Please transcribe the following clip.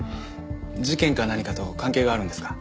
事件か何かと関係があるんですか？